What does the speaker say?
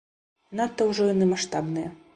Надта ўжо яны маштабныя.